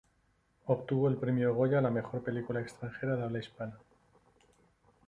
Obtuvo el premio Goya a la Mejor Película Extranjera de Habla Hispana.